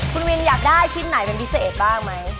คุณวินอยากได้ชิ้นไหนเป็นพิเศษบ้างไหม